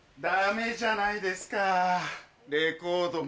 ダメじゃないですか。